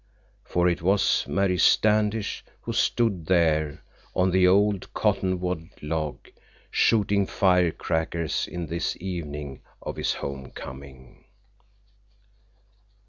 For it was Mary Standish who stood there on the old cottonwood log, shooting firecrackers in this evening of his home coming.